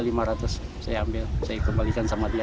saya ambil saya kembalikan sama dia